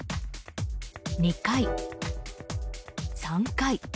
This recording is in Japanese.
２回、３回。